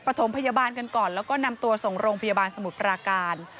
ถมพยาบาลกันก่อนแล้วก็นำตัวส่งโรงพยาบาลสมุทรปราการ